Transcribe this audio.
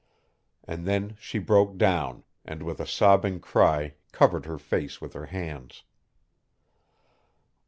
And then she broke down, and with a sobbing cry covered her face with her hands.